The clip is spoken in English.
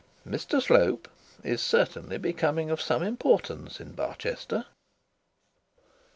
Mr Slope is certainly becoming of some importance in Barchester.